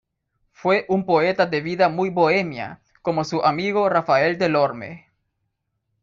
Fue un poeta de vida muy bohemia, como su amigo Rafael Delorme.